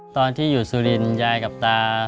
ตอนที่อยู่สุรินทร์ยายกับตา